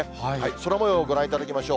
空もようをご覧いただきましょう。